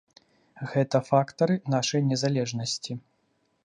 Гэта фактары нашай незалежнасці.